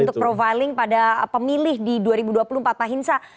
untuk profiling pada pemilih di dua ribu dua puluh empat pak hinsa